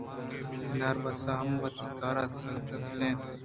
بناربس ہم وتی کار ءَسِدک ءُدل اَت